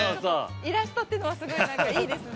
イラストっていうのはすごい何かいいですね